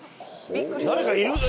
誰かいる？